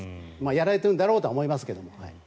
やられているんだろうとは思いますが。